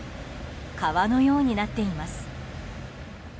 川のようになっています。